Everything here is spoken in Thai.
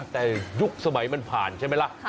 แต่ยุคสมัยมันผ่านใช่ไหมล่ะ